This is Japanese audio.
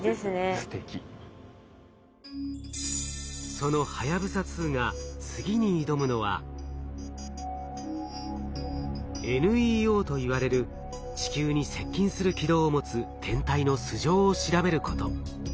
そのはやぶさ２が次に挑むのは「ＮＥＯ」といわれる地球に接近する軌道を持つ天体の素性を調べること。